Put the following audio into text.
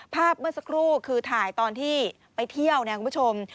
เมื่อสักครู่คือถ่ายตอนที่ไปเที่ยวเนี่ยคุณผู้ชม